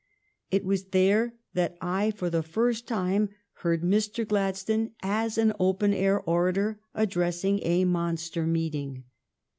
It was there that I for the first time heard Mr. Gladstone as an open air orator addressing a monster meeting.